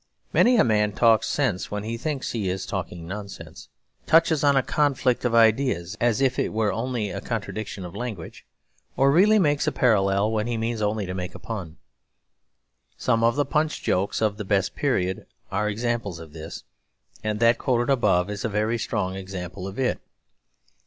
Many a man talks sense when he thinks he is talking nonsense; touches on a conflict of ideas as if it were only a contradiction of language, or really makes a parallel when he means only to make a pun. Some of the Punch jokes of the best period are examples of this; and that quoted above is a very strong example of it.